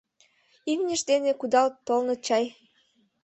Имньышт дене кудал толыныт чай.